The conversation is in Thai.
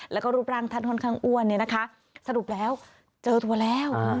แล้วก็รูปร่างท่านค่อนข้างอ้วนเนี่ยนะคะสรุปแล้วเจอตัวแล้ว